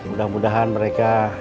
udah mudahan mereka